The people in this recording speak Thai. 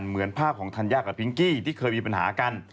เหมือนภาพของธัญญากับพิงกี้ที่เคยมีปัญหากัน